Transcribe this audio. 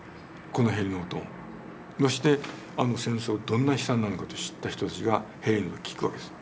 このヘリの音ましてあの戦争どんな悲惨なのかと知った人たちがヘリの音聞くわけです。